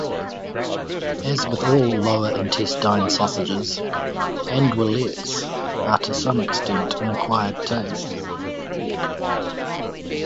As with all lower intestine sausages, andouillettes are to some extent an acquired taste.